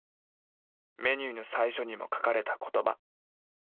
メニューの最初にも書かれた言葉。